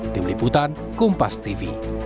tim liputan kompas tv